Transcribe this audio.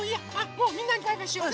もうみんなにバイバイしよう！